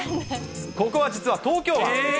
ここは実は東京湾。